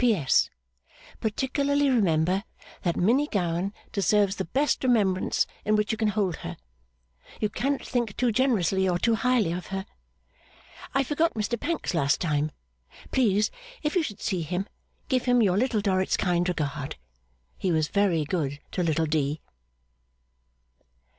P.S. Particularly remember that Minnie Gowan deserves the best remembrance in which you can hold her. You cannot think too generously or too highly of her. I forgot Mr Pancks last time. Please, if you should see him, give him your Little Dorrit's kind regard. He was very good to Little D.